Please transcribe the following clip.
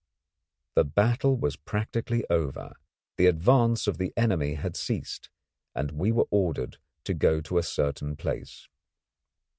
The battle was practically over. The advance of the enemy had ceased, and we were ordered to go to a certain place.